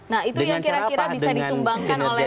nah itu yang kira kira bisa disumbangkan oleh